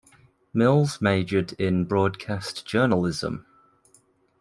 Mills majored in broadcast journalism.